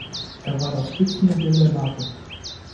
Er war das Spitzenmodell der Marke.